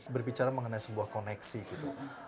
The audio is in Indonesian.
berbicara mengenai sebuah koneksi gitu